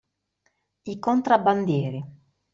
I contrabbandieri.